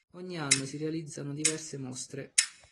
Ogni anno si realizzano diverse mostre.